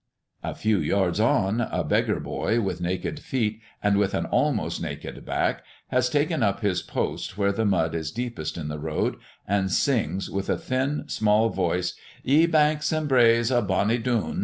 A few yards on, a beggar boy with naked feet, and with an almost naked back, has taken up his post where the mud is deepest in the road, and sings, with a thin, small voice, "Ye banks and braes of bonnie Doon."